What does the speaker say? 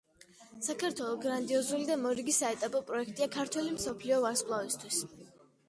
საქართველო – გრანდიოზული და მორიგი საეტაპო პროექტია ქართველი მსოფლიო ვარსკვლავისთვის.